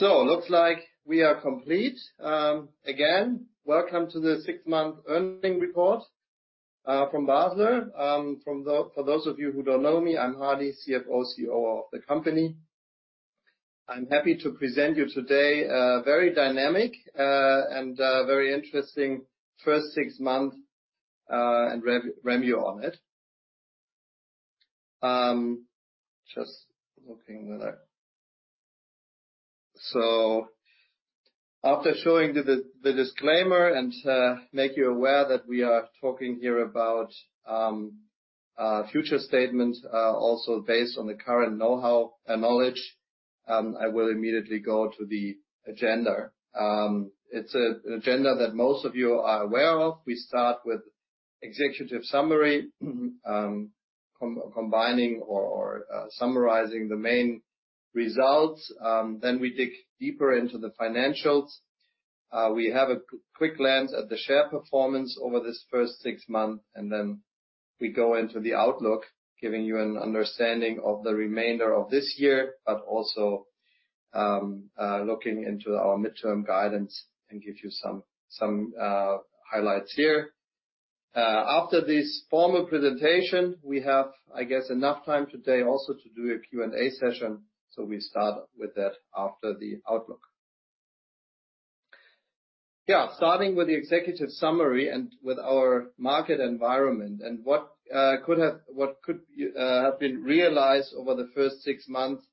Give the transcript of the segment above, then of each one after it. Looks like we are complete. Again, welcome to the six-month earnings report from Basler. For those of you who don't know me, I'm Hardy, CFO, COO of the company. I'm happy to present you today a very dynamic and very interesting first six months and review on it. Just looking whether. After showing the disclaimer and making you aware that we are talking here about future statements also based on the current know-how and knowledge, I will immediately go to the agenda. It's an agenda that most of you are aware of. We start with executive summary, combining or summarizing the main results. Then we dig deeper into the financials. We have a quick glance at the share performance over this first six months, and then we go into the outlook, giving you an understanding of the remainder of this year, but also, looking into our midterm guidance and give you some highlights here. After this formal presentation, we have, I guess, enough time today also to do a Q&A session, so we start with that after the outlook. Yeah, starting with the executive summary and with our market environment and what could have been realized over the first six months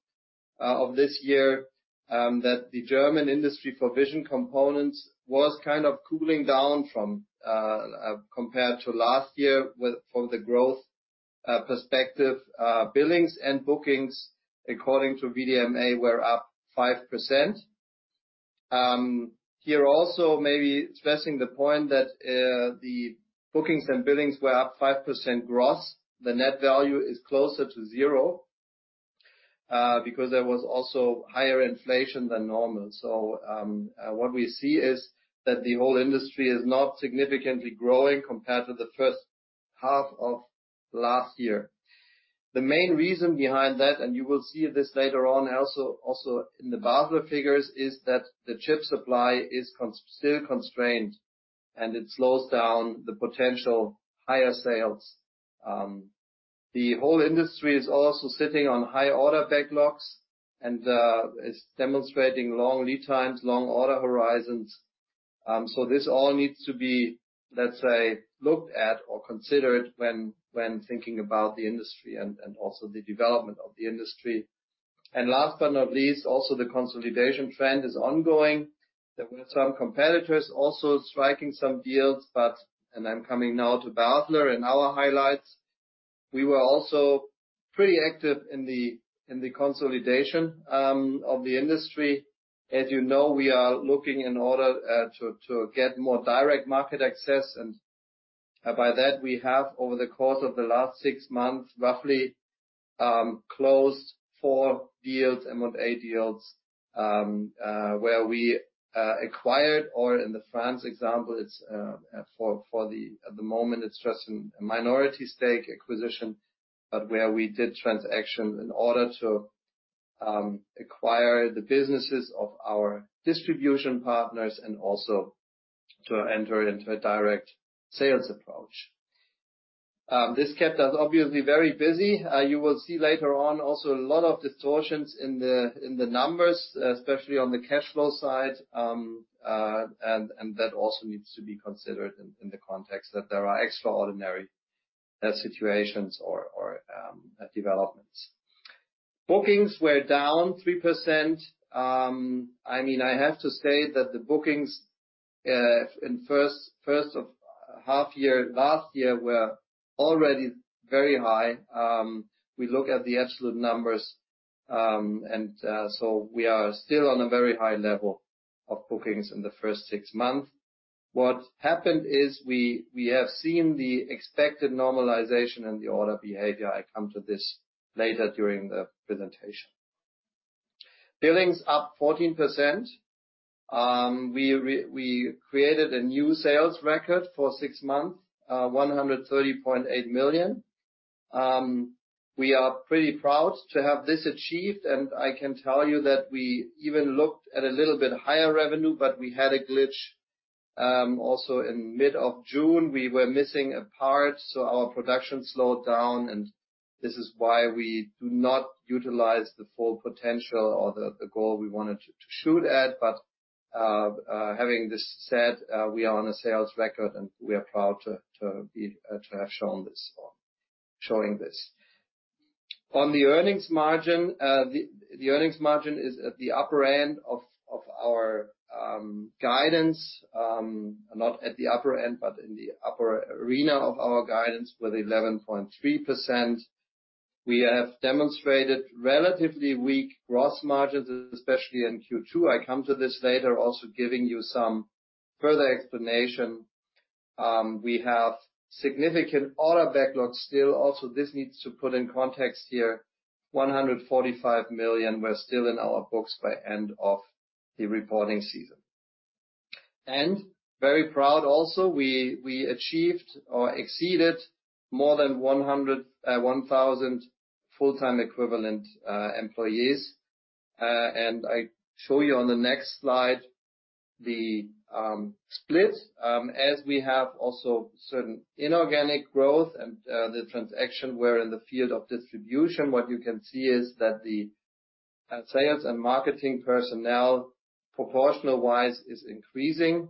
of this year, that the German industry for vision components was kind of cooling down, compared to last year, from the growth perspective. Billings and bookings, according to VDMA, were up 5%. Here also maybe stressing the point that the bookings and billings were up 5% gross. The net value is closer to zero because there was also higher inflation than normal. What we see is that the whole industry is not significantly growing compared to the first half of last year. The main reason behind that, and you will see this later on also in the Basler figures, is that the chip supply is still constrained, and it slows down the potential higher sales. The whole industry is also sitting on high order backlogs and is demonstrating long lead times, long order horizons. This all needs to be, let's say, looked at or considered when thinking about the industry and also the development of the industry. Last but not least, also the consolidation trend is ongoing. There were some competitors also striking some deals. I'm coming now to Basler and our highlights. We were also pretty active in the consolidation of the industry. As you know, we are looking in order to get more direct market access, and by that we have over the course of the last six months, roughly, closed four deals, M&A deals, where we acquired or in the France example, it's for the moment it's just a minority stake acquisition. But where we did transaction in order to acquire the businesses of our distribution partners and also to enter into a direct sales approach. This kept us obviously very busy. You will see later on also a lot of distortions in the numbers, especially on the cash flow side. That also needs to be considered in the context that there are extraordinary situations or developments. Bookings were down 3%. I mean, I have to say that the bookings in first half year last year were already very high. We look at the absolute numbers, and so we are still on a very high level of bookings in the first six months. What happened is we have seen the expected normalization in the order behavior. I come to this later during the presentation. Billings up 14%. We created a new sales record for six months, 130.8 million. We are pretty proud to have this achieved, and I can tell you that we even looked at a little bit higher revenue, but we had a glitch. Also in mid-June, we were missing a part, so our production slowed down, and this is why we do not utilize the full potential or the goal we wanted to shoot at. Having this said, we are on a sales record and we are proud to have shown this or showing this. On the earnings margin, the earnings margin is at the upper end of our guidance, not at the upper end, but in the upper area of our guidance with 11.3%. We have demonstrated relatively weak gross margins, especially in Q2. I come to this later, also giving you some further explanation. We have significant order backlogs still. Also this needs to put in context here 145 million were still in our books by end of the reporting season. Very proud also, we achieved or exceeded more than 101 thousand full-time equivalent employees. I show you on the next slide the split, as we have also certain inorganic growth and the transaction wherein the field of distribution, what you can see is that the sales and marketing personnel, proportional-wise, is increasing.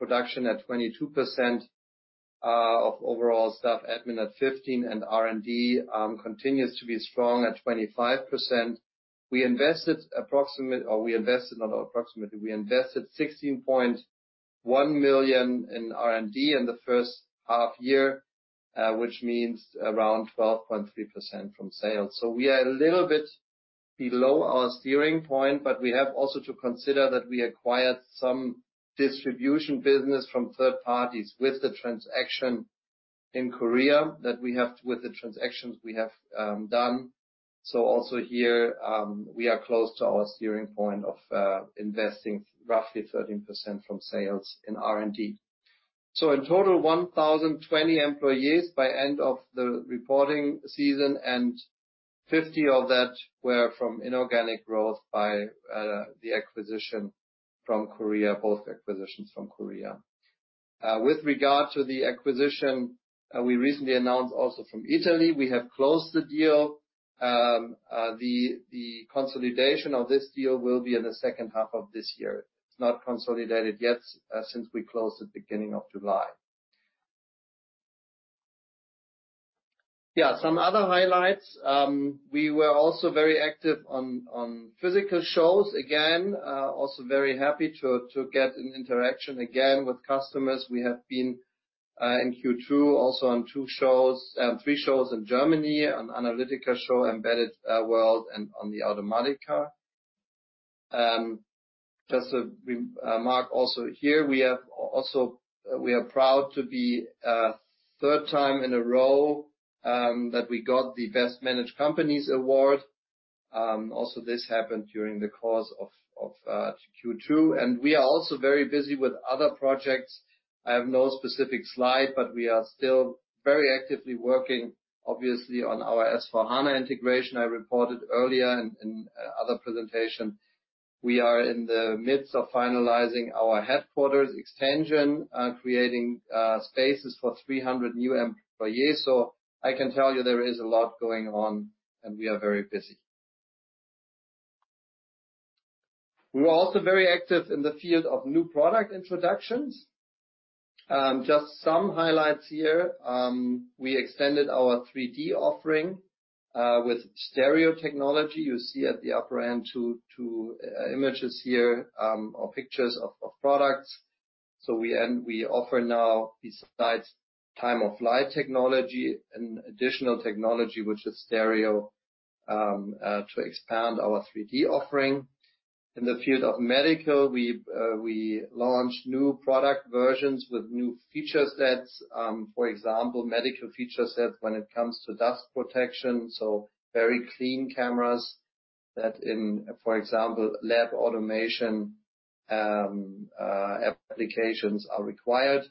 Production at 22% of overall staff, admin at 15%, and R&D continues to be strong at 25%. We invested, not approximately, 16.1 million in R&D in the first half year, which means around 12.3% from sales. We are a little bit below our steering point, but we have also to consider that we acquired some distribution business from third parties with the transactions we have done. We are close to our steering point of investing roughly 13% from sales in R&D. In total, 1,020 employees by end of the reporting season, and 50 of that were from inorganic growth by the acquisition from Korea, both acquisitions from Korea. With regard to the acquisition we recently announced also from Italy, we have closed the deal. The consolidation of this deal will be in the second half of this year. It's not consolidated yet, since we closed at beginning of July. Yeah, some other highlights. We were also very active on physical shows. Again, also very happy to get an interaction again with customers. We have been in Q2 also on three shows in Germany, on analytica show, embedded world, and on the automatica. Just to mark also here, we are proud to be third time in a row that we got the Best Managed Companies Award. Also this happened during the course of Q2. We are also very busy with other projects. I have no specific slide, but we are still very actively working, obviously, on our S/4HANA integration I reported earlier in other presentation. We are in the midst of finalizing our headquarters extension, creating spaces for 300 new employees. I can tell you there is a lot going on, and we are very busy. We were also very active in the field of new product introductions. Just some highlights here. We extended our 3D offering with stereo technology. You see at the upper end two images here, or pictures of products. We offer now besides time-of-flight technology, an additional technology, which is stereo, to expand our 3D offering. In the field of medical, we launched new product versions with new feature sets. For example, medical feature sets when it comes to dust protection, so very clean cameras that, for example, lab automation applications are required.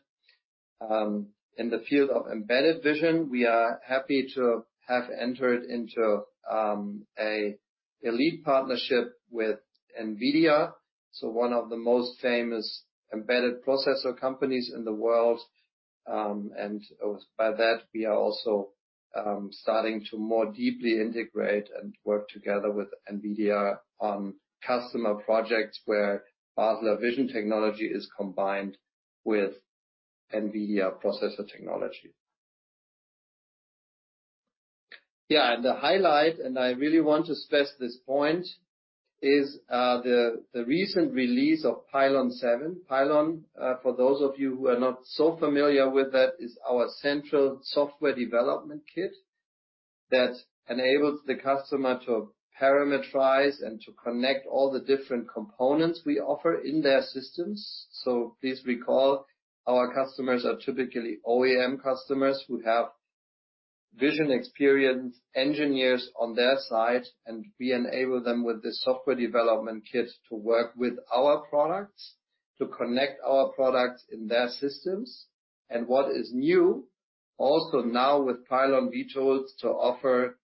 In the field of embedded vision, we are happy to have entered into a elite partnership with NVIDIA, so one of the most famous embedded processor companies in the world. By that, we are also starting to more deeply integrate and work together with NVIDIA on customer projects where Basler vision technology is combined with NVIDIA processor technology. Yeah, the highlight, and I really want to stress this point, is the recent release of pylon 7. Pylon, for those of you who are not so familiar with that, is our central software development kit that enables the customer to parameterize and to connect all the different components we offer in their systems. Please recall, our customers are typically OEM customers who have vision experience engineers on their side, and we enable them with the software development kit to work with our products, to connect our products in their systems. What is new, also now with pylon, we chose to offer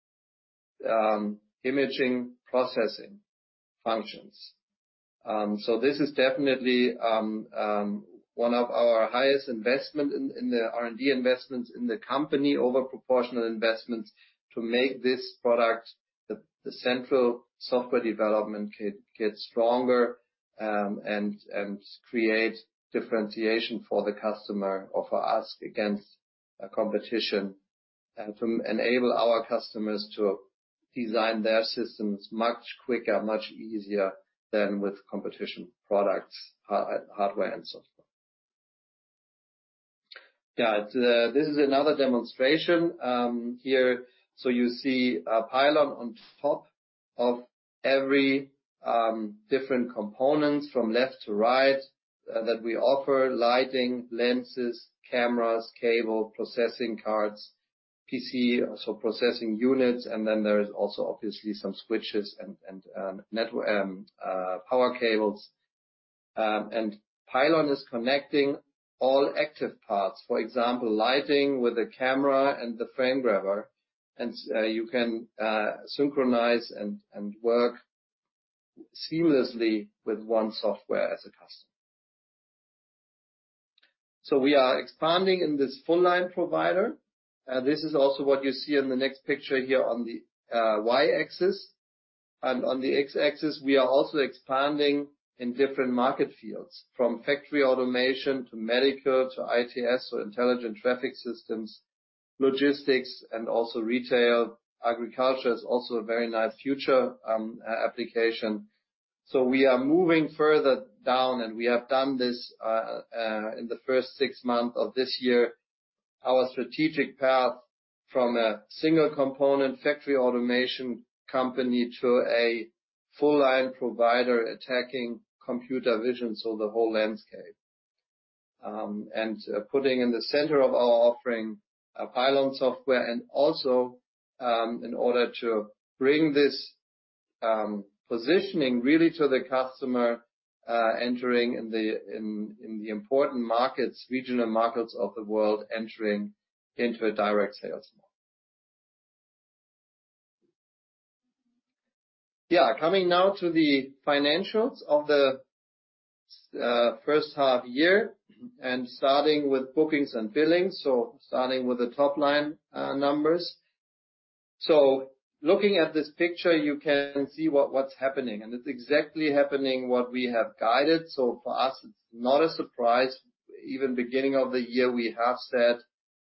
imaging processing functions. This is definitely one of our highest investment in the R&D investments in the company, over proportional investments to make this product, the central software development kit, get stronger, and create differentiation for the customer or for us against a competition, and to enable our customers to design their systems much quicker, much easier than with competition products, hardware and software. Yeah. This is another demonstration here. You see pylon on top of every different components from left to right that we offer. Lighting, lenses, cameras, cable, processing cards, PC, so processing units, and then there is also obviously some switches and network power cables. Pylon is connecting all active parts. For example, lighting with a camera and the frame grabber, and you can synchronize and work seamlessly with one software as a customer. We are expanding in this full line provider. This is also what you see in the next picture here on the Y-axis. On the X-axis, we are also expanding in different market fields, from factory automation to medical to ITS, so intelligent traffic systems, logistics and also retail. Agriculture is also a very nice future application. We are moving further down, and we have done this in the first six months of this year, our strategic path from a single component factory automation company to a full line provider attacking computer vision, so the whole landscape. Putting in the center of our offering a pylon software and also, in order to bring this positioning really to the customer, entering in the important markets, regional markets of the world, entering into a direct sales model. Yeah, coming now to the financials of the first half year and starting with bookings and billings, so starting with the top line numbers. Looking at this picture, you can see what's happening, and it's exactly happening what we have guided. For us, it's not a surprise. At the beginning of the year, we have said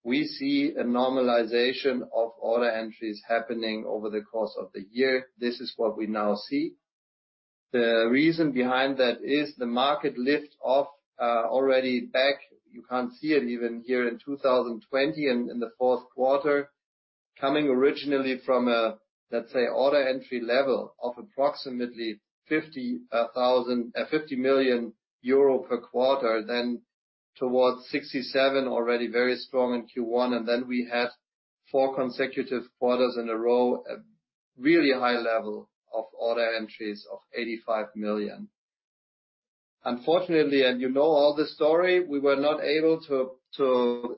we see a normalization of order entries happening over the course of the year. This is what we now see. The reason behind that is the market liftoff already back. You can see it even here in 2020 and in the fourth quarter, coming originally from a, let's say, order entry level of approximately 50 million euro per quarter, then towards 67 million, already very strong in Q1. We had four consecutive quarters in a row at really high level of order entries of 85 million. Unfortunately, you know all the story, we were not able to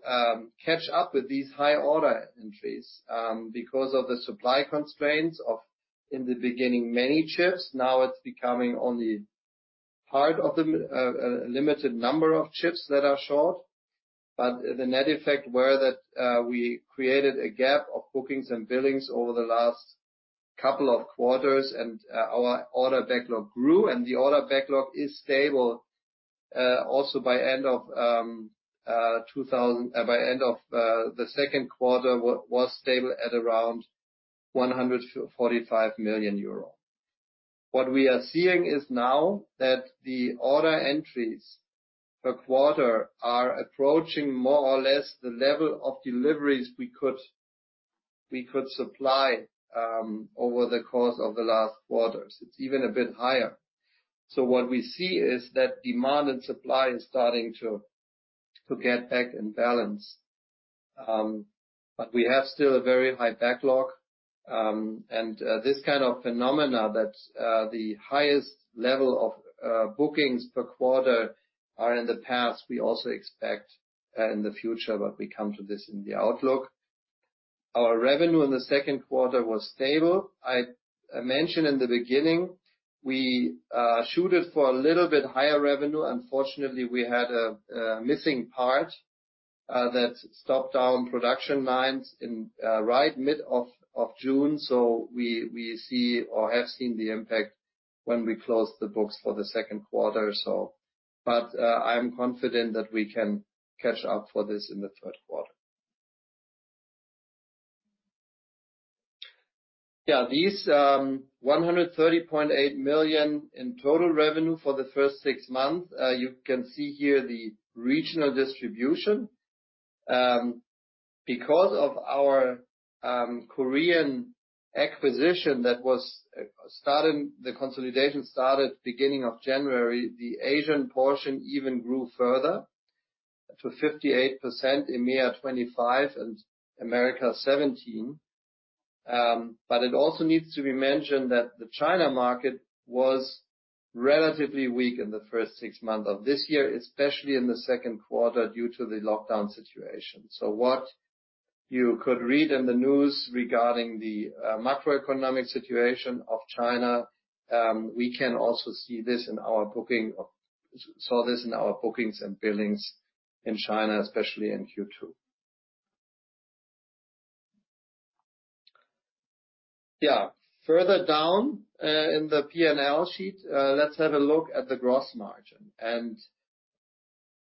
catch up with these high order entries because of the supply constraints of, in the beginning, many chips. Now it's becoming only part of a limited number of chips that are short. The net effect were that we created a gap of bookings and billings over the last couple of quarters, and our order backlog grew, and the order backlog is stable also by end of the second quarter was stable at around 145 million euro. What we are seeing is now that the order entries per quarter are approaching more or less the level of deliveries we could supply over the course of the last quarters. It's even a bit higher. What we see is that demand and supply is starting to get back in balance. We have still a very high backlog, and this kind of phenomena that the highest level of bookings per quarter are in the past, we also expect in the future, but we come to this in the outlook. Our revenue in the second quarter was stable. I mentioned in the beginning, we shot for a little bit higher revenue. Unfortunately, we had a missing part that stopped our production lines in right in the middle of June. We have seen the impact when we closed the books for the second quarter. I'm confident that we can catch up for this in the third quarter. These 130.8 million in total revenue for the first six months, you can see here the regional distribution. Because of our Korean acquisition, the consolidation started beginning of January, the Asian portion even grew further to 58% EMEA 25% and America 17%. But it also needs to be mentioned that the China market was relatively weak in the first six months of this year, especially in the second quarter, due to the lockdown situation. What you could read in the news regarding the macroeconomic situation of China, we can also see this in our bookings and billings in China, especially in Q2. Yeah. Further down, in the P&L sheet, let's have a look at the gross margin.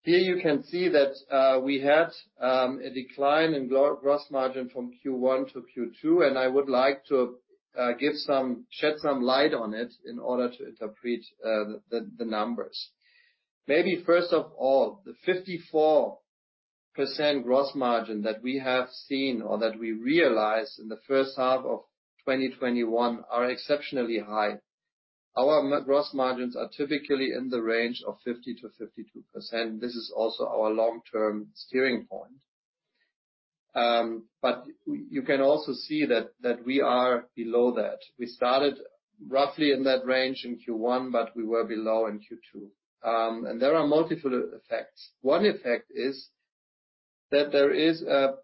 Here you can see that we had a decline in gross margin from Q1 to Q2, and I would like to shed some light on it in order to interpret the numbers. Maybe, first of all, the 54% gross margin that we have seen or that we realized in the first half of 2021 are exceptionally high. Our gross margins are typically in the range of 50%-52%. This is also our long-term steering point. You can also see that we are below that. We started roughly in that range in Q1, but we were below in Q2. There are multiple effects. One effect is that there is a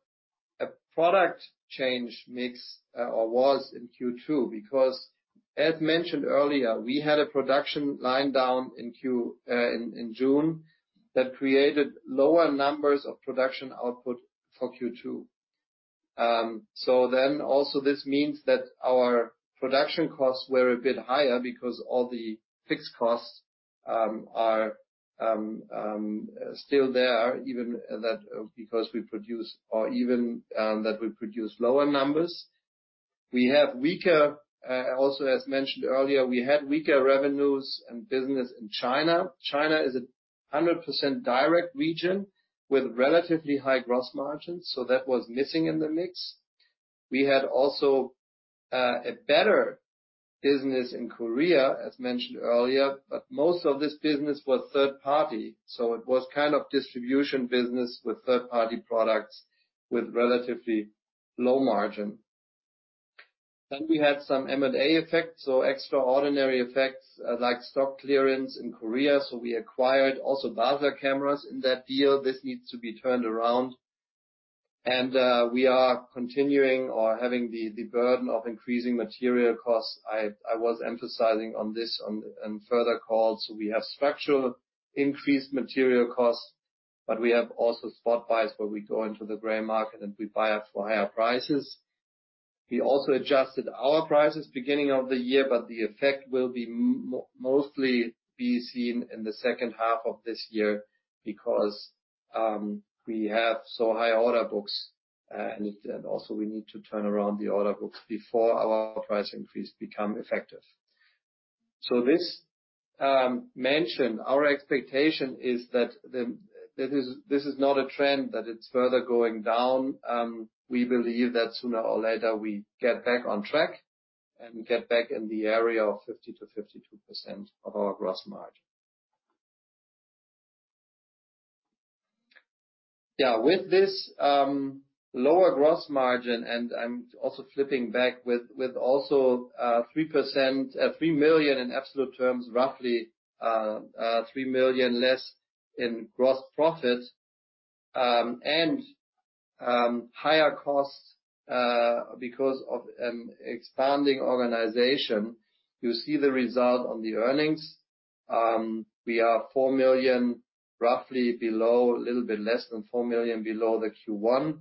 product mix change or was in Q2, because as mentioned earlier, we had a production line down in Q2 in June that created lower numbers of production output for Q2. This means that our production costs were a bit higher because all the fixed costs are still there, even though we produce lower numbers. We also had weaker revenues and business in China. China is a 100% direct region with relatively high gross margins, so that was missing in the mix. We also had a better business in Korea, as mentioned earlier, but most of this business was third-party, so it was kind of distribution business with third-party products with relatively low margin. We had some M&A effects, so extraordinary effects like stock clearance in Korea. We acquired also Basler cameras in that deal. This needs to be turned around. We are continuing or having the burden of increasing material costs. I was emphasizing on this in further calls. We have structural increased material costs, but we have also spot buys where we go into the gray market and we buy it for higher prices. We also adjusted our prices beginning of the year, but the effect will be mostly be seen in the second half of this year because we have so high order books, and also we need to turn around the order books before our price increase become effective. Our expectation is that this is not a trend that it's further going down. We believe that sooner or later we get back on track and get back in the area of 50%-52% of our gross margin. Yeah. With this lower gross margin and also 3%, 3 million in absolute terms, roughly, 3 million less in gross profit, and higher costs because of expanding organization. You see the result on the earnings. We are 4 million roughly below, a little bit less than 4 million below the Q1.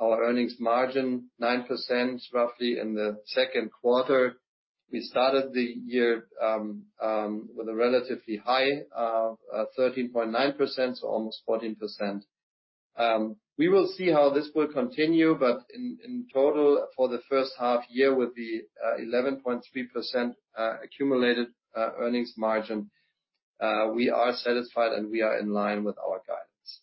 Our earnings margin 9% roughly in the second quarter. We started the year with a relatively high 13.9%, so almost 14%. We will see how this will continue, but in total, for the first half-year with the 11.3% accumulated earnings margin, we are satisfied and we are in line with our guidance.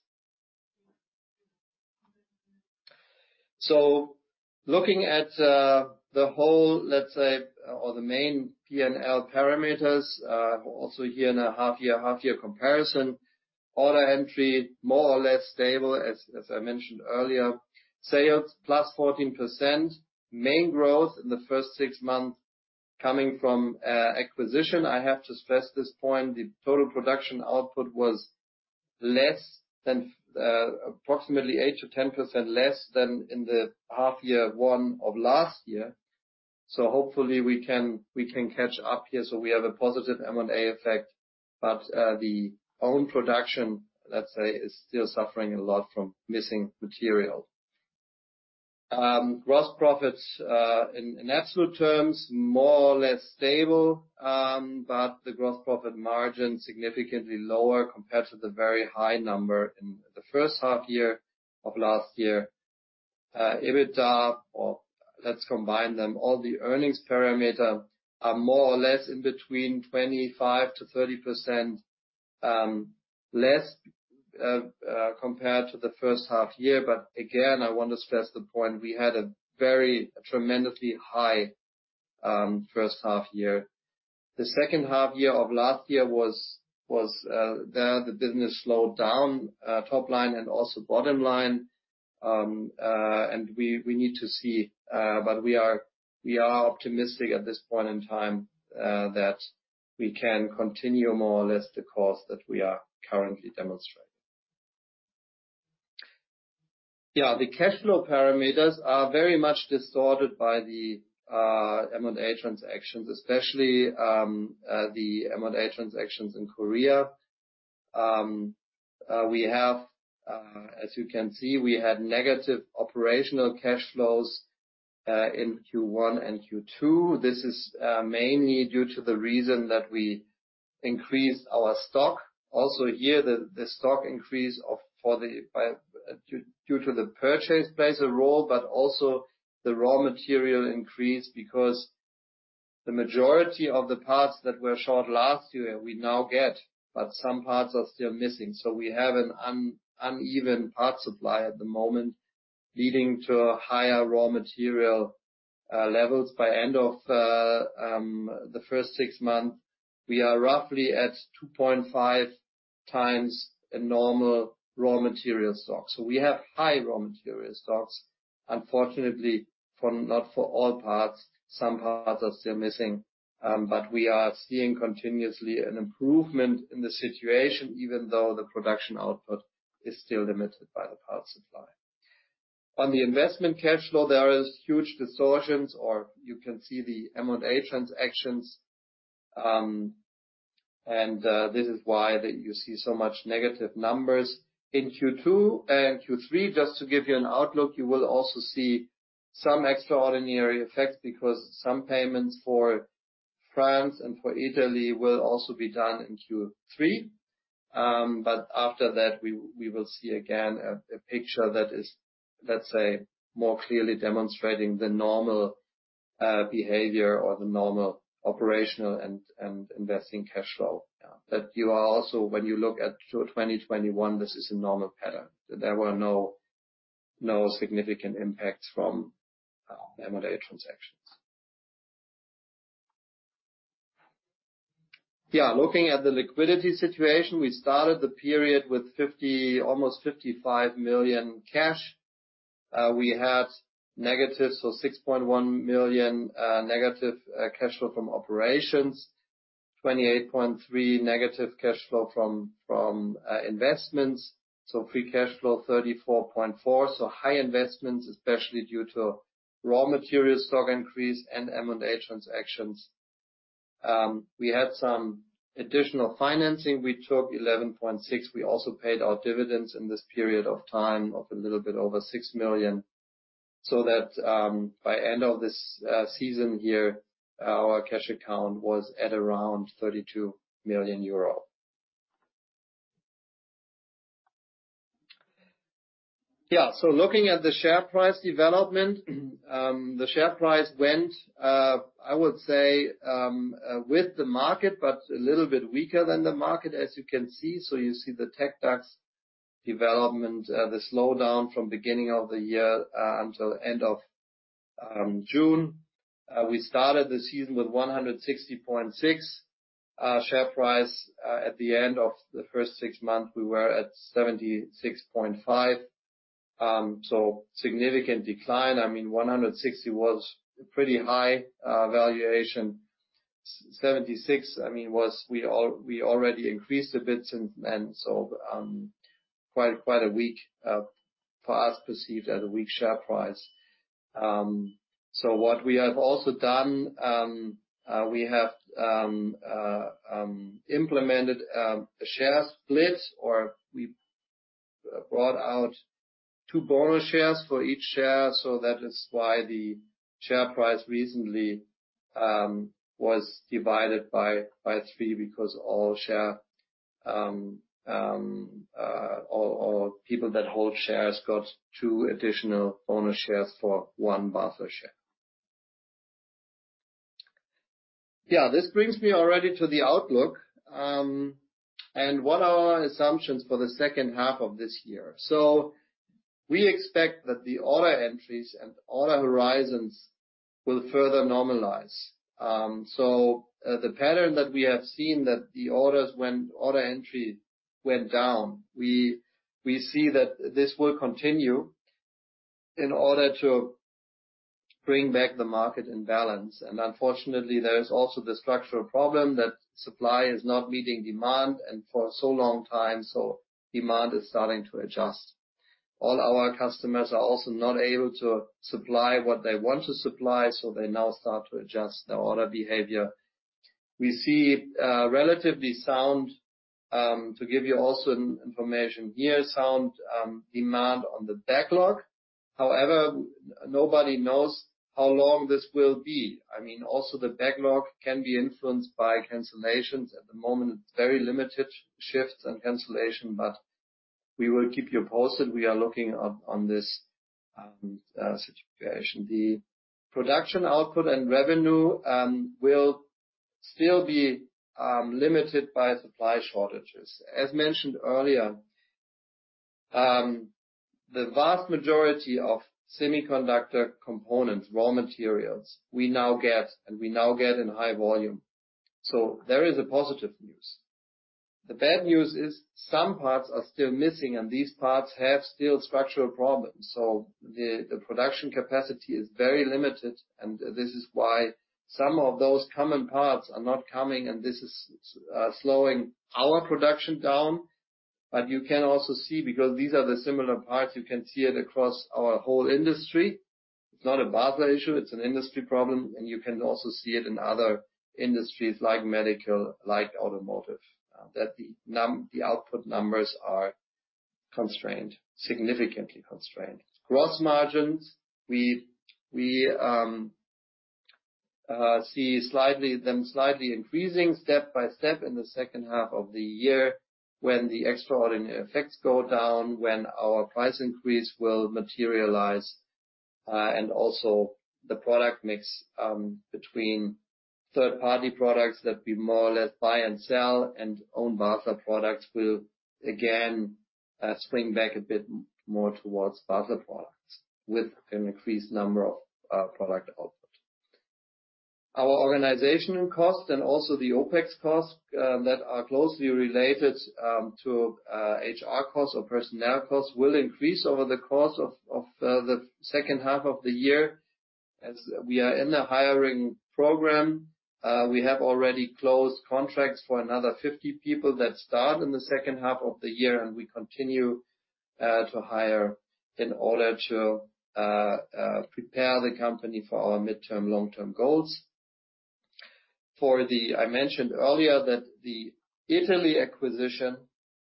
Looking at the whole, let's say, or the main P&L parameters, also here in a half-year comparison. Order entry, more or less stable, as I mentioned earlier. Sales +14%. Main growth in the first six months coming from acquisition. I have to stress this point, the total production output was less than approximately 8%-10% less than in the H1 of last year. Hopefully we can catch up here so we have a positive M&A effect. The own production, let's say, is still suffering a lot from missing material. Gross profits in absolute terms more or less stable, but the gross profit margin significantly lower compared to the very high number in the first half year of last year. EBITDA, or let's combine them, all the earnings parameter are more or less in between 25%-30% less compared to the first half year. But again, I want to stress the point, we had a very tremendously high first half year. The second half year of last year was there. The business slowed down top line and also bottom line. We need to see, but we are optimistic at this point in time that we can continue more or less the course that we are currently demonstrating. Yeah, the cash flow parameters are very much distorted by the M&A transactions, especially the M&A transactions in Korea. As you can see, we had negative operating cash flows in Q1 and Q2. This is mainly due to the reason that we increased our stock. Also here, the stock increase due to the purchase plays a role, but also the raw material increased because the majority of the parts that were short last year we now get, but some parts are still missing. We have an uneven part supply at the moment, leading to higher raw material levels by end of the first six months. We are roughly at 2.5x a normal raw material stock. We have high raw material stocks. Unfortunately, not for all parts, some parts are still missing, but we are seeing continuously an improvement in the situation even though the production output is still limited by the parts supply. On the investing cash flow, there is huge distortion, or you can see the M&A transactions. This is why you see so much negative numbers. In Q2 and Q3, just to give you an outlook, you will also see some extraordinary effects because some payments for France and for Italy will also be done in Q3. After that, we will see again a picture that is, let's say, more clearly demonstrating the normal behavior or the normal operational and investing cash flow. You are also, when you look back to 2021, this is a normal pattern. There were no significant impacts from M&A transactions. Looking at the liquidity situation, we started the period with almost 55 million cash. We had negative 6.1 million negative cash flow from operations, 28.3 million negative cash flow from investments. Free cash flow 34.4 million. High investments, especially due to raw material stock increase and M&A transactions. We had some additional financing. We took 11.6 million. We also paid our dividends in this period of time of a little bit over 6 million, so that by end of this season here, our cash account was at around 32 million euro. Looking at the share price development, the share price went, I would say, with the market, but a little bit weaker than the market, as you can see. You see the TecDAX development, the slowdown from beginning of the year, until end of June. We started the season with 160.6 share price. At the end of the first six months, we were at 76.5. Significant decline. I mean, 160 was pretty high valuation. 76, I mean, we already increased a bit since then, so quite a weak, for us, perceived as a weak share price. What we have also done, we have implemented a share split, or we brought out two bonus shares for each share, so that is why the share price recently was divided by three because people that hold shares got two additional bonus shares for one Basler share. Yeah, this brings me already to the outlook, and what are our assumptions for the second half of this year. We expect that the order entries and order horizons will further normalize. The pattern that we have seen that the orders when order entry went down, we see that this will continue in order to bring back the market in balance. Unfortunately, there is also the structural problem that supply is not meeting demand and for so long time, so demand is starting to adjust. All our customers are also not able to supply what they want to supply, so they now start to adjust their order behavior. We see relatively sound, to give you also information here, sound demand on the backlog. However, nobody knows how long this will be. I mean, also the backlog can be influenced by cancellations. At the moment, it's very limited shifts and cancellation, but we will keep you posted. We are looking on this situation. The production output and revenue will still be limited by supply shortages. As mentioned earlier, the vast majority of semiconductor components, raw materials we now get in high volume. So there is a positive news. The bad news is some parts are still missing, and these parts have still structural problems. The production capacity is very limited, and this is why some of those common parts are not coming, and this is slowing our production down. You can also see, because these are the similar parts, you can see it across our whole industry. It's not a Basler issue, it's an industry problem, and you can also see it in other industries like medical, like automotive, that the output numbers are constrained, significantly constrained. Gross margins, we see them slightly increasing step by step in the second half of the year when the extraordinary effects go down, when our price increase will materialize, and also the product mix between third-party products that we more or less buy and sell and own Basler products will again swing back a bit more towards Basler products with an increased number of product output. Our organizational costs and also the OpEx costs that are closely related to HR costs or personnel costs will increase over the course of the second half of the year as we are in the hiring program. We have already closed contracts for another 50 people that start in the second half of the year, and we continue to hire in order to prepare the company for our midterm, long-term goals. I mentioned earlier that the Italy acquisition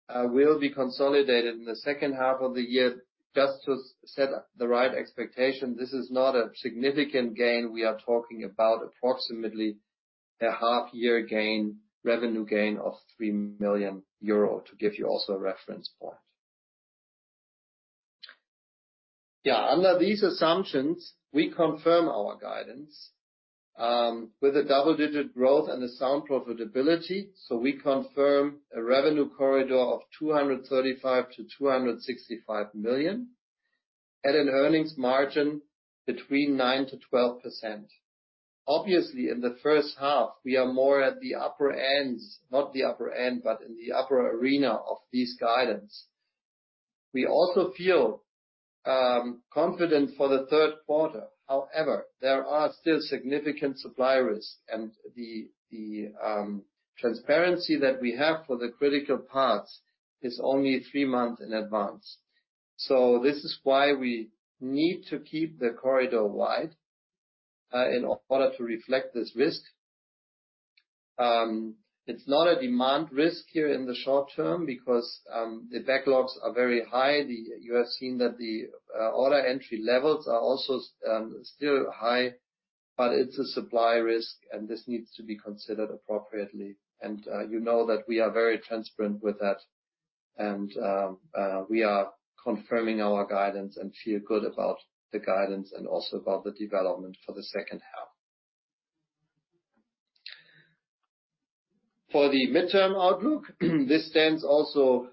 will be consolidated in the second half of the year. Just to set the right expectation, this is not a significant gain. We are talking about approximately a half year gain, revenue gain of 3 million euro to give you also a reference point. Under these assumptions, we confirm our guidance with a double-digit growth and a sound profitability. We confirm a revenue corridor of 235 million-265 million at an earnings margin between 9%-12%. Obviously, in the first half, we are more at the upper ends, not the upper end, but in the upper arena of this guidance. We also feel confident for the third quarter. However, there are still significant supply risks and the transparency that we have for the critical parts is only three months in advance. This is why we need to keep the corridor wide in order to reflect this risk. It's not a demand risk here in the short term because the backlogs are very high. You have seen that the order entry levels are also still high, but it's a supply risk, and this needs to be considered appropriately. You know that we are very transparent with that and we are confirming our guidance and feel good about the guidance and also about the development for the second half. For the midterm outlook, this stands also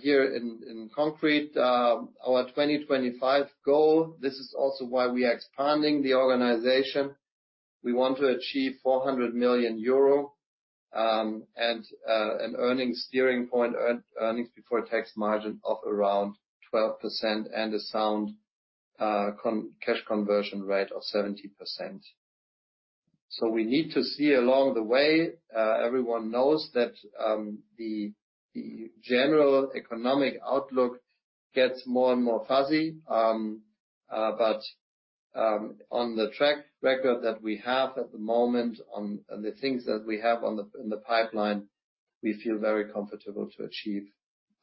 here in concrete our 2025 goal. This is also why we are expanding the organization. We want to achieve 400 million euro and an earnings steering point, earnings before tax margin of around 12% and a sound cash conversion rate of 70%. We need to see along the way, everyone knows that the general economic outlook gets more and more fuzzy. On the track record that we have at the moment on the things that we have in the pipeline, we feel very comfortable to achieve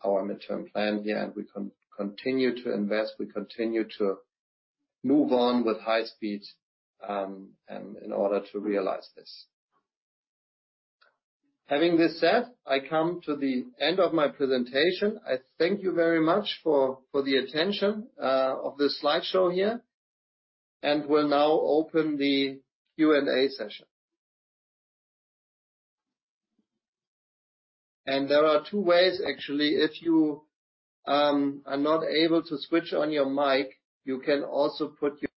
our midterm plan. Yeah. We continue to invest, we continue to move on with high speed in order to realize this. Having this said, I come to the end of my presentation. I thank you very much for the attention of this slideshow here, and we'll now open the Q&A session. There are two ways, actually. If you are not able to switch on your mic, you can also put your-